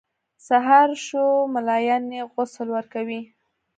سهار شو ملایان یې غسل ورکوي.